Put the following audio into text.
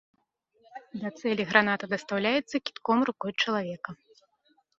Да цэлі граната дастаўляецца кідком рукой чалавека.